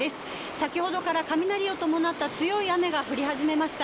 先ほどから雷を伴った強い雨が降り始めました。